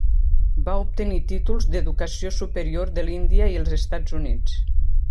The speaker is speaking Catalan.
Va obtenir títols d'educació superior de l'Índia i els Estats Units.